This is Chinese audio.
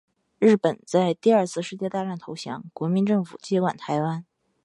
日本在第二次世界大战投降，国民政府接管台湾。